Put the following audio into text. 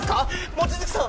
望月さん